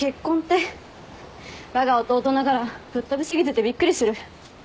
わが弟ながらぶっ飛び過ぎててびっくりする。